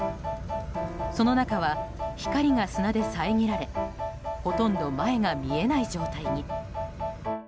その中は、光が砂で遮られほとんど前が見えない状態に。